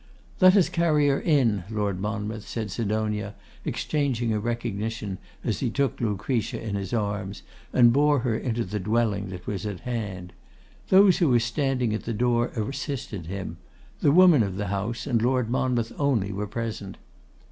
'Let us carry her in, Lord Monmouth,' said Sidonia, exchanging a recognition as he took Lucretia in his arms, and bore her into the dwelling that was at hand. Those who were standing at the door assisted him. The woman of the house and Lord Monmouth only were present.